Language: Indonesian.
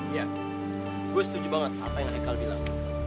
ya gue setuju banget apa yang ekal bilang